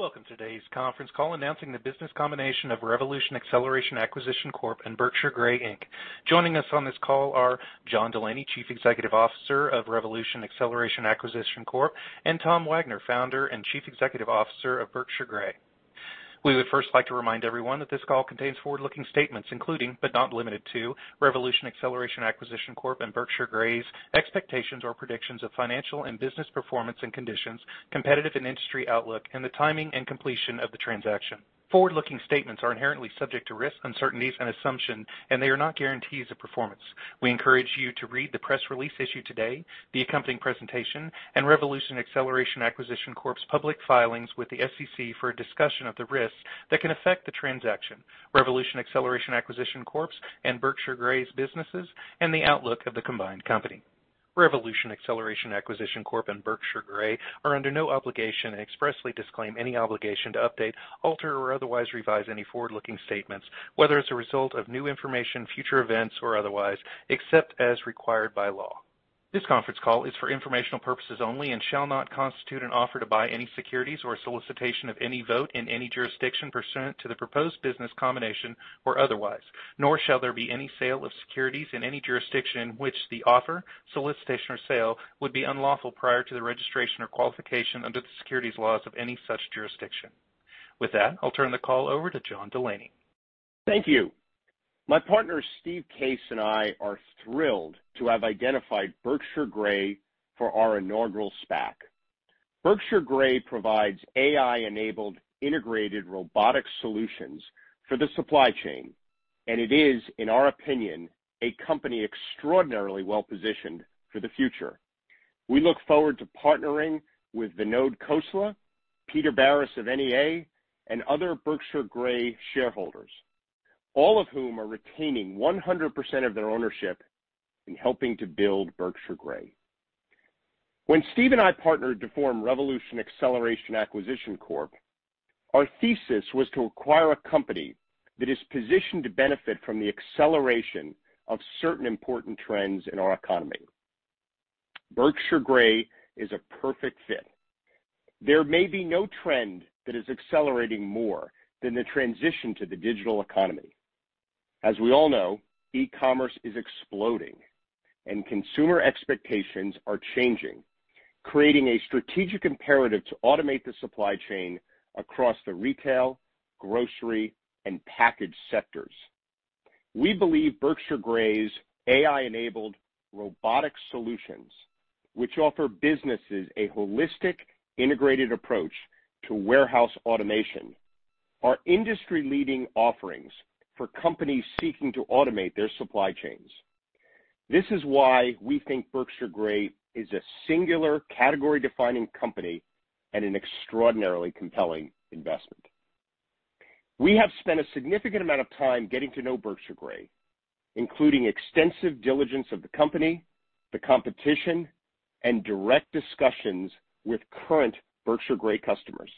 Welcome to today's conference call announcing the business combination of Revolution Acceleration Acquisition Corp and Berkshire Grey, Inc. Joining us on this call are John Delaney, Chief Executive Officer of Revolution Acceleration Acquisition Corp, and Tom Wagner, Founder and Chief Executive Officer of Berkshire Grey. We would first like to remind everyone that this call contains forward-looking statements including, but not limited to, Revolution Acceleration Acquisition Corp and Berkshire Grey's expectations or predictions of financial and business performance and conditions, competitive and industry outlook, and the timing and completion of the transaction. Forward-looking statements are inherently subject to risk, uncertainties, and assumption, and they are not guarantees of performance. We encourage you to read the press release issued today, the accompanying presentation, and Revolution Acceleration Acquisition Corp's public filings with the SEC for a discussion of the risks that can affect the transaction, Revolution Acceleration Acquisition Corp and Berkshire Grey's businesses, and the outlook of the combined company. Revolution Acceleration Acquisition Corp and Berkshire Grey are under no obligation and expressly disclaim any obligation to update, alter, or otherwise revise any forward-looking statements, whether as a result of new information, future events, or otherwise, except as required by law. This conference call is for informational purposes only and shall not constitute an offer to buy any securities or a solicitation of any vote in any jurisdiction pursuant to the proposed business combination or otherwise, nor shall there be any sale of securities in any jurisdiction in which the offer, solicitation, or sale would be unlawful prior to the registration or qualification under the securities laws of any such jurisdiction. With that, I'll turn the call over to John Delaney. Thank you. My partners, Steve Case and I, are thrilled to have identified Berkshire Grey for our inaugural SPAC. Berkshire Grey provides AI-enabled integrated robotic solutions for the supply chain, and it is, in our opinion, a company extraordinarily well-positioned for the future. We look forward to partnering with Vinod Khosla, Peter Barris of NEA, and other Berkshire Grey shareholders, all of whom are retaining 100% of their ownership in helping to build Berkshire Grey. When Steve and I partnered to form Revolution Acceleration Acquisition Corp, our thesis was to acquire a company that is positioned to benefit from the acceleration of certain important trends in our economy. Berkshire Grey is a perfect fit. There may be no trend that is accelerating more than the transition to the digital economy. As we all know, e-commerce is exploding, and consumer expectations are changing, creating a strategic imperative to automate the supply chain across the retail, grocery, and package sectors. We believe Berkshire Grey's AI-enabled robotic solutions, which offer businesses a holistic integrated approach to warehouse automation, are industry-leading offerings for companies seeking to automate their supply chains. This is why we think Berkshire Grey is a singular category-defining company and an extraordinarily compelling investment. We have spent a significant amount of time getting to know Berkshire Grey, including extensive diligence of the company, the competition, and direct discussions with current Berkshire Grey customers.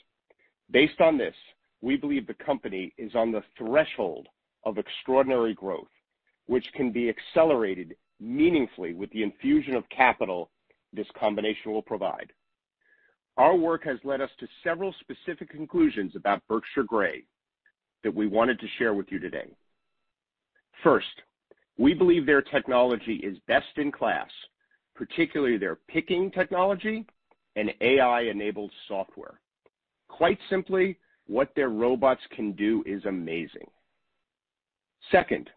Based on this, we believe the company is on the threshold of extraordinary growth, which can be accelerated meaningfully with the infusion of capital this combination will provide. Our work has led us to several specific conclusions about Berkshire Grey that we wanted to share with you today. First, we believe their technology is best in class, particularly their picking technology and AI-enabled software. Quite simply, what their robots can do is amazing. Second,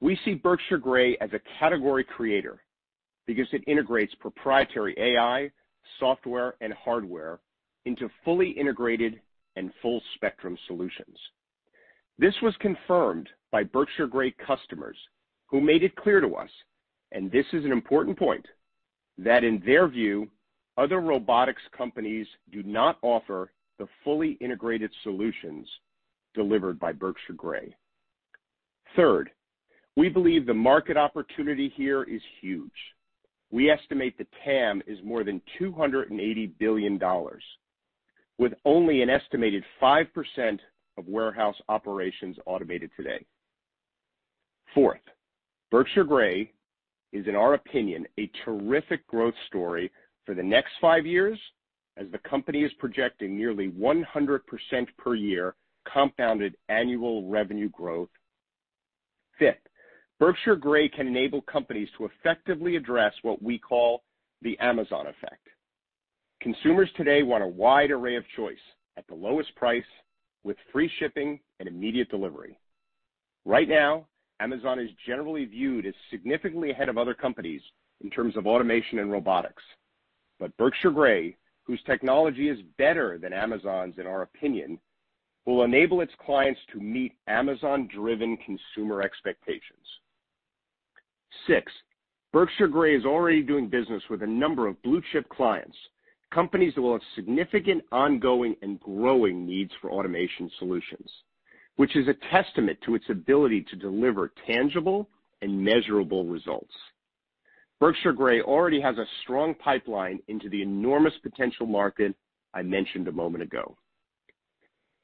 we see Berkshire Grey as a category creator because it integrates proprietary AI, software, and hardware into fully integrated and full-spectrum solutions. This was confirmed by Berkshire Grey customers who made it clear to us, and this is an important point, that in their view, other robotics companies do not offer the fully integrated solutions delivered by Berkshire Grey. Third, we believe the market opportunity here is huge. We estimate the TAM is more than $280 billion, with only an estimated 5% of warehouse operations automated today. Fourth, Berkshire Grey is, in our opinion, a terrific growth story for the next five years as the company is projecting nearly 100% per year compounded annual revenue growth. Fifth, Berkshire Grey can enable companies to effectively address what we call the Amazon effect. Consumers today want a wide array of choice at the lowest price with free shipping and immediate delivery. Right now, Amazon is generally viewed as significantly ahead of other companies in terms of automation and robotics, but Berkshire Grey, whose technology is better than Amazon's, in our opinion, will enable its clients to meet Amazon-driven consumer expectations. Sixth, Berkshire Grey is already doing business with a number of blue-chip clients, companies that will have significant ongoing and growing needs for automation solutions, which is a testament to its ability to deliver tangible and measurable results. Berkshire Grey already has a strong pipeline into the enormous potential market I mentioned a moment ago.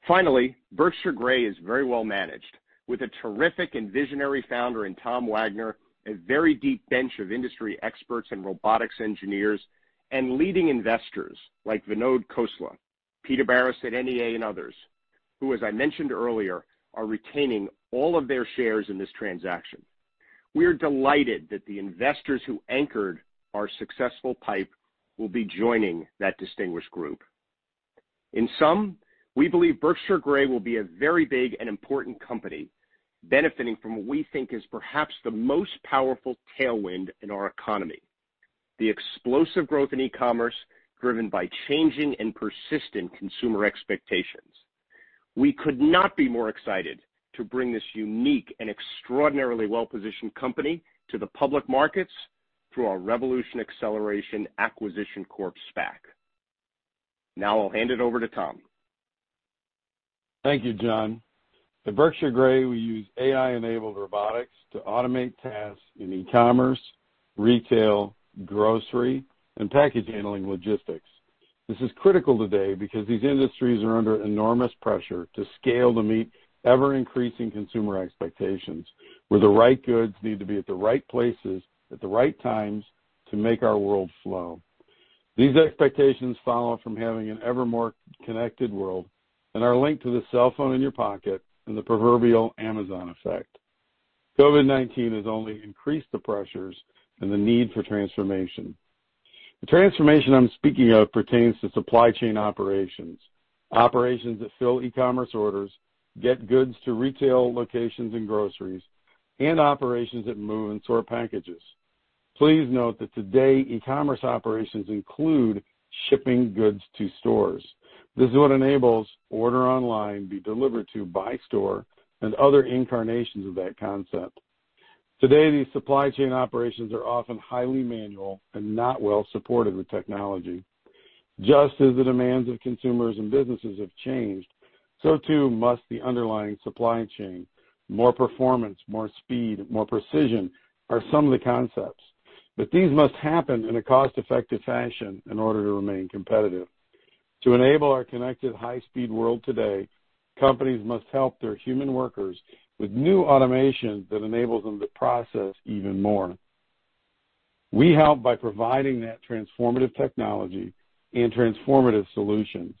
Finally, Berkshire Grey is very well managed with a terrific and visionary founder in Tom Wagner, a very deep bench of industry experts and robotics engineers, and leading investors like Vinod Khosla, Peter Barris at NEA, and others who, as I mentioned earlier, are retaining all of their shares in this transaction. We are delighted that the investors who anchored our successful PIPE will be joining that distinguished group. In sum, we believe Berkshire Grey will be a very big and important company benefiting from what we think is perhaps the most powerful tailwind in our economy: the explosive growth in e-commerce driven by changing and persistent consumer expectations. We could not be more excited to bring this unique and extraordinarily well-positioned company to the public markets through our Revolution Acceleration Acquisition Corp SPAC. Now I'll hand it over to Tom. Thank you, John. At Berkshire Grey, we use AI-enabled robotics to automate tasks in e-commerce, retail, grocery, and package handling logistics. This is critical today because these industries are under enormous pressure to scale to meet ever-increasing consumer expectations where the right goods need to be at the right places at the right times to make our world flow. These expectations follow from having an ever more connected world and are linked to the cell phone in your pocket and the proverbial Amazon effect. COVID-19 has only increased the pressures and the need for transformation. The transformation I'm speaking of pertains to supply chain operations, operations that fill e-commerce orders, get goods to retail locations and groceries, and operations that move and sort packages. Please note that today e-commerce operations include shipping goods to stores. This is what enables order online, be delivered to, buy store, and other incarnations of that concept. Today, these supply chain operations are often highly manual and not well-supported with technology. Just as the demands of consumers and businesses have changed, so too must the underlying supply chain. More performance, more speed, more precision are some of the concepts, but these must happen in a cost-effective fashion in order to remain competitive. To enable our connected high-speed world today, companies must help their human workers with new automation that enables them to process even more. We help by providing that transformative technology and transformative solutions.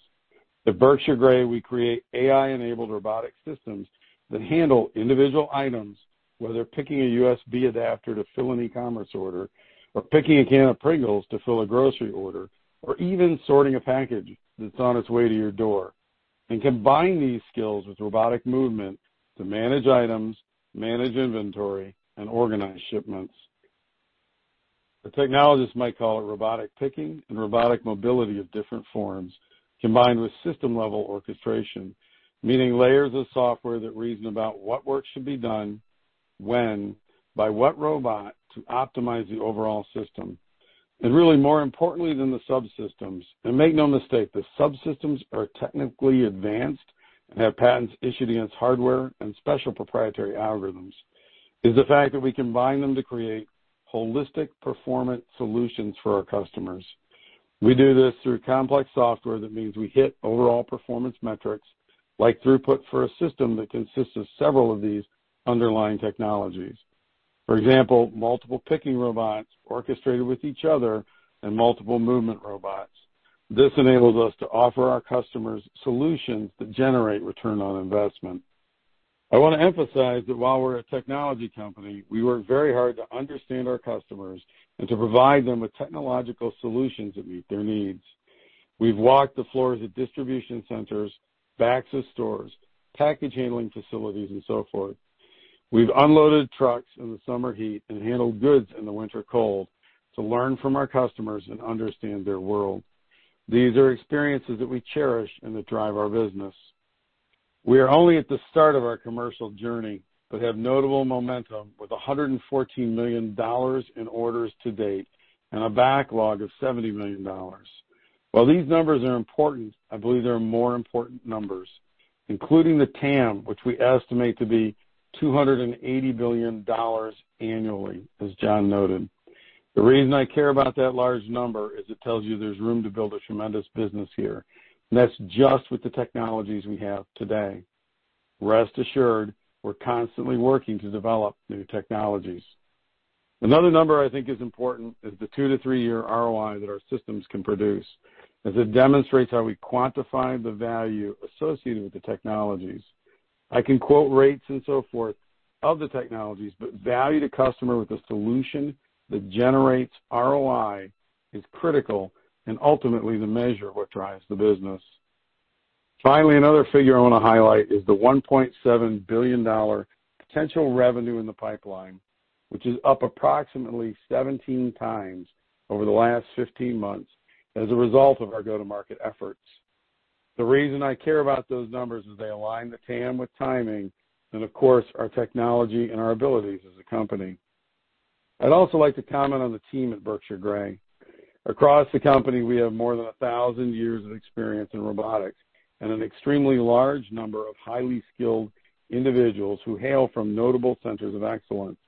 At Berkshire Grey, we create AI-enabled robotic systems that handle individual items, whether picking a USB adapter to fill an e-commerce order, or picking a can of Pringles to fill a grocery order, or even sorting a package that's on its way to your door, and combine these skills with robotic movement to manage items, manage inventory, and organize shipments. A technologist might call it robotic picking and robotic mobility of different forms combined with system-level orchestration, meaning layers of software that reason about what work should be done, when, by what robot to optimize the overall system, and really more importantly than the subsystems. And make no mistake, the subsystems are technically advanced and have patents issued against hardware and special proprietary algorithms. It's the fact that we combine them to create holistic performance solutions for our customers. We do this through complex software that means we hit overall performance metrics like throughput for a system that consists of several of these underlying technologies. For example, multiple picking robots orchestrated with each other and multiple movement robots. This enables us to offer our customers solutions that generate return on investment. I want to emphasize that while we're a technology company, we work very hard to understand our customers and to provide them with technological solutions that meet their needs. We've walked the floors of distribution centers, backs of stores, package handling facilities, and so forth. We've unloaded trucks in the summer heat and handled goods in the winter cold to learn from our customers and understand their world. These are experiences that we cherish and that drive our business. We are only at the start of our commercial journey but have notable momentum with $114 million in orders to date and a backlog of $70 million. While these numbers are important, I believe there are more important numbers, including the TAM, which we estimate to be $280 billion annually, as John noted. The reason I care about that large number is it tells you there's room to build a tremendous business here, and that's just with the technologies we have today. Rest assured, we're constantly working to develop new technologies. Another number I think is important is the two to three-year ROI that our systems can produce as it demonstrates how we quantify the value associated with the technologies. I can quote rates and so forth of the technologies, but value to customer with a solution that generates ROI is critical and ultimately the measure of what drives the business. Finally, another figure I want to highlight is the $1.7 billion potential revenue in the pipeline, which is up approximately 17 times over the last 15 months as a result of our go-to-market efforts. The reason I care about those numbers is they align the TAM with timing and, of course, our technology and our abilities as a company. I'd also like to comment on the team at Berkshire Grey. Across the company, we have more than 1,000 years of experience in robotics and an extremely large number of highly skilled individuals who hail from notable centers of excellence.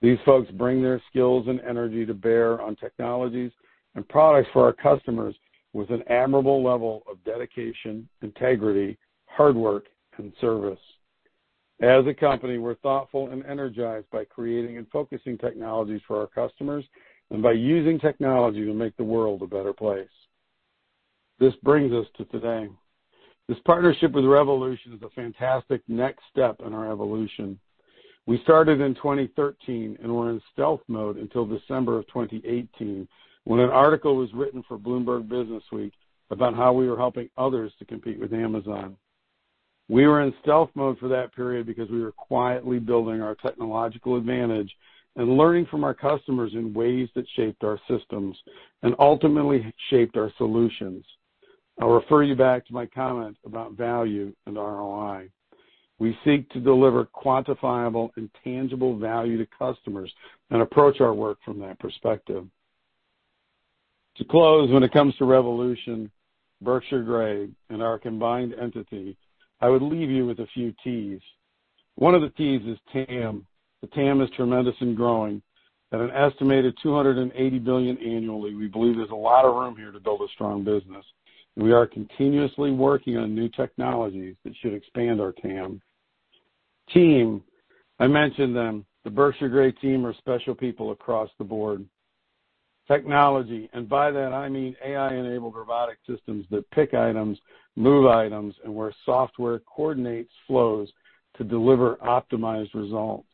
These folks bring their skills and energy to bear on technologies and products for our customers with an admirable level of dedication, integrity, hard work, and service. As a company, we're thoughtful and energized by creating and focusing technologies for our customers and by using technology to make the world a better place. This brings us to today. This partnership with Revolution is a fantastic next step in our evolution. We started in 2013 and were in stealth mode until December of 2018 when an article was written for Bloomberg Businessweek about how we were helping others to compete with Amazon. We were in stealth mode for that period because we were quietly building our technological advantage and learning from our customers in ways that shaped our systems and ultimately shaped our solutions. I'll refer you back to my comment about value and ROI. We seek to deliver quantifiable and tangible value to customers and approach our work from that perspective. To close, when it comes to Revolution, Berkshire Grey, and our combined entity, I would leave you with a few Ts. One of the Ts is TAM. The TAM is tremendous and growing. At an estimated $280 billion annually, we believe there's a lot of room here to build a strong business, and we are continuously working on new technologies that should expand our TAM. Team, I mentioned them. The Berkshire Grey team are special people across the board. Technology, and by that, I mean AI-enabled robotic systems that pick items, move items, and where software coordinates flows to deliver optimized results.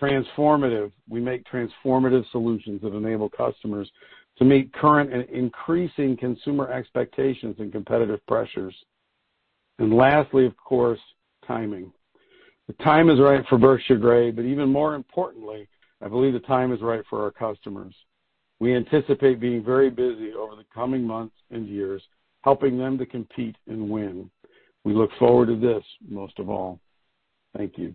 Transformative, we make transformative solutions that enable customers to meet current and increasing consumer expectations and competitive pressures. And lastly, of course, timing. The time is right for Berkshire Grey, but even more importantly, I believe the time is right for our customers. We anticipate being very busy over the coming months and years, helping them to compete and win. We look forward to this most of all. Thank you.